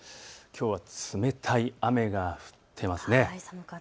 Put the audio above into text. きょうは冷たい雨が降っていますね。